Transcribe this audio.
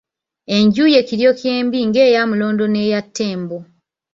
Enju ye Kiryokyembi ng'eya Mulondo n'eya Ttembo.